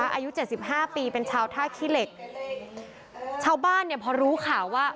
อายุเจ็ดสิบห้าปีเป็นชาวท่าขี้เหล็กชาวบ้านเนี่ยพอรู้ข่าวว่า